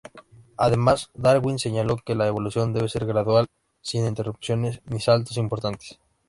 Además, “Darwin señaló que la evolución debe ser gradual, sin interrupciones ni saltos importantes.